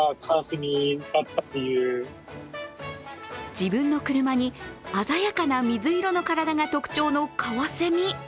自分の車に鮮やかな水色の体が特徴のかわせみ？